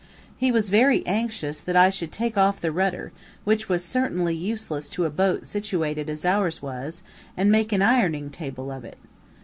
He was very anxious that I should take off the rudder, which was certainly useless to a boat situated as ours was, and make an ironing table of it.